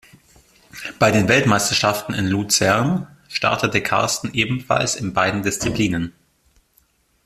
Bei den Weltmeisterschaften in Luzern startete Karsten ebenfalls in beiden Disziplinen.